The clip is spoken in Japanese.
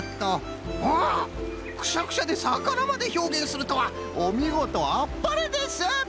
おおくしゃくしゃでさかなまでひょうげんするとはおみごとあっぱれです！